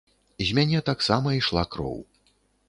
З мяне таксама ішла кроў.